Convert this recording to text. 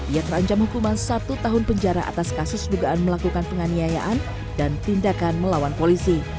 ia terancam hukuman satu tahun penjara atas kasus dugaan melakukan penganiayaan dan tindakan melawan polisi